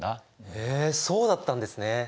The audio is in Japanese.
へえそうだったんですね。